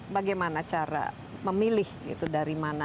bagaimana cara memilih itu dari mana